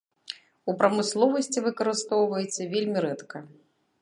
У прамысловасці выкарыстоўваецца вельмі рэдка.